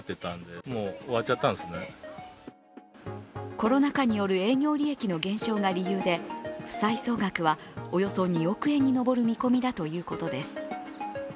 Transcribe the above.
コロナ禍による営業利益の減少が理由で、負債総額はおよそ２億円に上る見込みだということです。